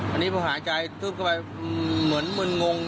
อันนี้พอหายใจทึบเข้าไปเหมือนมึนงง